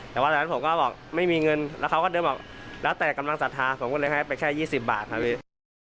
แต่ว่าตอนนั้นผมก็บอกไม่มีเงินแล้วเขาก็เดินบอกแล้วแต่กำลังศรัทธาผมก็เลยให้ไปแค่๒๐บาทครับพี่